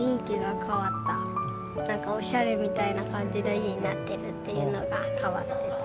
なんかおしゃれみたいな感じの家になってるっていうのが変わってた。